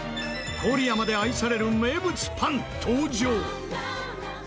郡山で愛される名物パン登場！